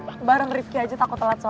sekarang bareng rifki aja takut telat sob